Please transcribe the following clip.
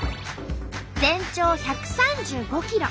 全長１３５ｋｍ。